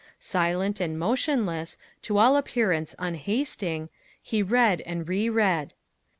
Silent and motionless, to all appearance unhasting, he read and reread.